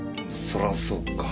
そらそっか。